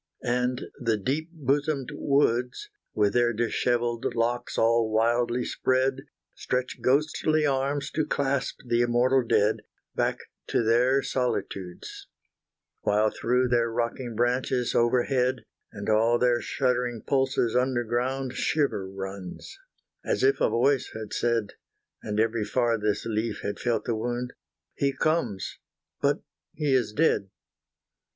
And the deep bosomed woods, With their dishevelled locks all wildly spread, Stretch ghostly arms to clasp the immortal dead, Back to their solitudes While through their rocking branches overhead, And all their shuddering pulses underground shiver runs, as if a voice had said And every farthest leaf had felt the wound He comes but he is dead!